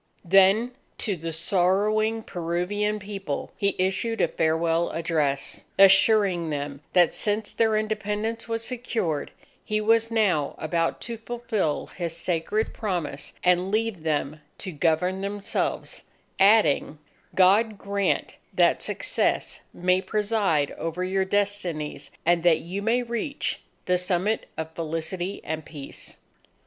Then, to the sorrowing Peruvian People, he issued a farewell address, assuring them, that since their Independence was secured, he was now about to fulfil his sacred promise and leave them to govern themselves, adding: "_God grant that success may preside over your destinies, and that you may reach the summit of felicity and peace.